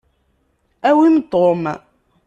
Awim Tom.